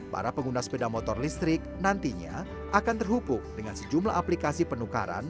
para pengguna sepeda motor listrik nantinya akan terhubung dengan sejumlah aplikasi penukaran